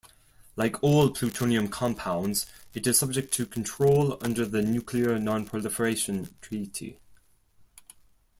Like all plutonium compounds, it is subject to control under the Nuclear Non-Proliferation Treaty.